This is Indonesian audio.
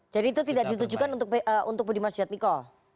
jadi itu tidak ditujukan untuk budiman sujadmiko